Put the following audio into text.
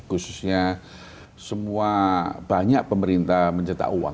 khususnya semua banyak pemerintah mencetak uang